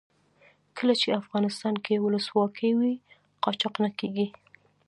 کله چې افغانستان کې ولسواکي وي قاچاق نه کیږي.